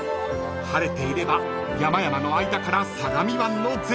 ［晴れていれば山々の間から相模湾の絶景が］